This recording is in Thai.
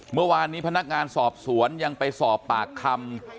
เมื่อวานนี้พนักงานสอบสวนยังไปสอบปากคำ